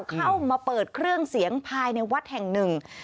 เข้ามาเปิดเครื่องเสียงภายในวัดแห่งหนึ่ง